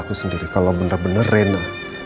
aku sendiri kalau benar benar rena